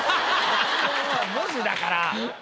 文字だから。